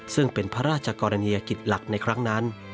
ซึ่งเป็นพระราชกรณียกิจหลักในครั้งนั้น